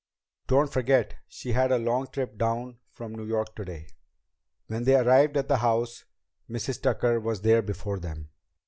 "Don't forget she had a long trip down from New York today." When they arrived at the house, Mrs. Tucker was there before them.